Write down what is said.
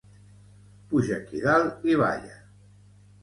Puja aquí dalt i balla!